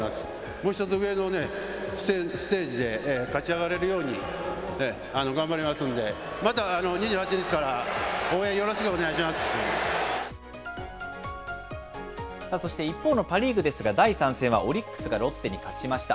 もう一つ上のね、ステージで勝ち上がれるように、頑張りますんで、また２８日からそして一方のパ・リーグですが、第３戦はオリックスがロッテに勝ちました。